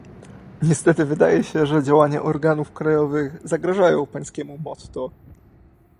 Niestety wydaje się, że działania organów krajowych zagrażają pańskiemu motto